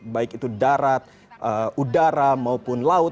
baik itu darat udara maupun laut